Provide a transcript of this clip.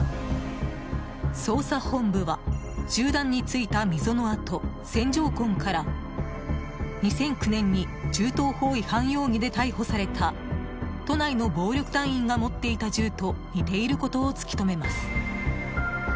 捜査本部は、銃弾についた溝の跡線条痕から２００９年に銃刀法違反容疑で逮捕された都内の暴力団員が持っていた銃と似ていることを突き止めます。